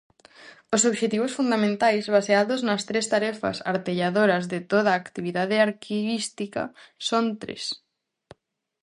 Os obxectivos fundamentais, baseados nas tres tarefas artelladoras de toda actividade arquivística, son tres.